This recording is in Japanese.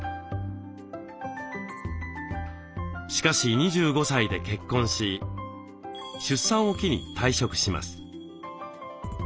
しかし２５歳で結婚し出産を機に退職します。